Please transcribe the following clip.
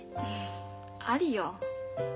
ありよ。